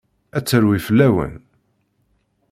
Ad terwi fell-awen.